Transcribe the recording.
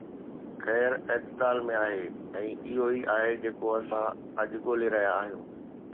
خير اعتدال ۾ آهي ۽ اهو ئي آهي جيڪو اسان اڄ ڳولي رهيا آهيون.